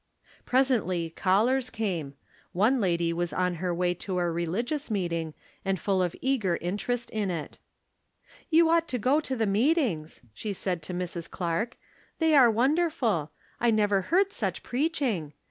Presently caUers came ; one lady was on her w^y to a religious meeting, and full of eager in terest in it. " You ought to go to the meetings," she said to Mrs. Clarke. " They are wonderful. I never heard such preaching.